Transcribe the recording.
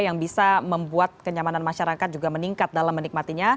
yang bisa membuat kenyamanan masyarakat juga meningkat dalam menikmatinya